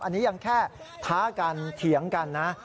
อันนี้ยังแค่ท้ากันเถียงกันนะ